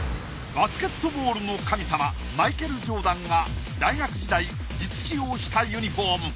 バスケットボールの神様マイケル・ジョーダンが大学時代実使用したユニフォーム。